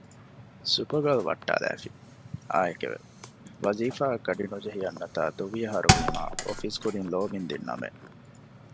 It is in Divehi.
ސުޕަގާލް ވައްޓާލާފި އާއެކެވެ ވާޒީފާ އަށް ގަޑި ނުޖެހި އަންނަތާ ދުވި އަހަރުވީމަ އޮފީސް ކުދިން ލޯބިން ދިންނަމެއް